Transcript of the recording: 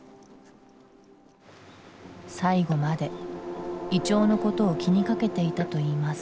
最後までイチョウのことを気にかけていたといいます。